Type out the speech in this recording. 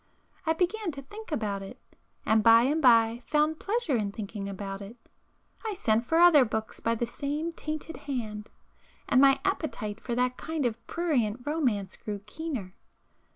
I began to think about it,—and by and by found pleasure in thinking about it. [p 406] I sent for other books by the same tainted hand, and my appetite for that kind of prurient romance grew keener.